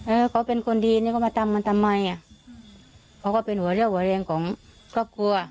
เออเขาเป็นคนดีนี่ก็มาทำมันทำไมอ่ะเขาก็เป็นหัวเรี่ยวหัวแรงของครอบครัว